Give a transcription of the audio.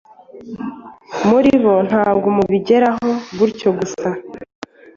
muri bo nta bwo babigeraho gutyo gusa